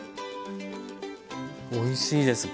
おいしいです。